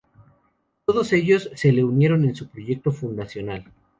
Todos ellos se le unieron en su proyecto fundacional.